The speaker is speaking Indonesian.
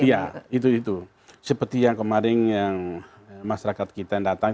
iya itu itu seperti yang kemarin yang masyarakat kita yang datang